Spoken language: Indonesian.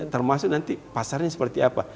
termasuk nanti pasarnya seperti apa